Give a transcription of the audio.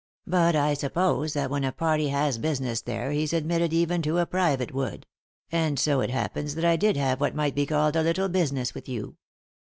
But I suppose that when a party has business there he's admitted even to a private wood; and it so happens that I did have what might be called a little business with you."